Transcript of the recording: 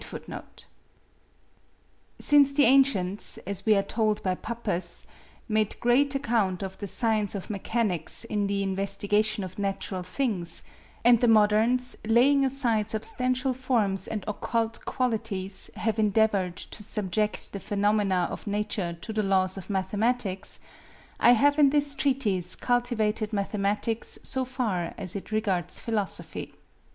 (1686)[A] Since the ancients (as we are told by Pappus) made great account of the science of mechanics in the investigation of natural things; and the moderns, laying aside substantial forms and occult qualities, have endeavored to subject the phenomena of nature to the laws of mathematics, I have in this treatise cultivated mathematics so far as it regards philosophy.